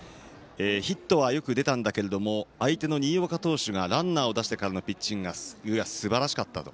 ヒットはよく出たんだけれども相手の新岡投手がランナーを出してからのピッチングがすばらしかったと。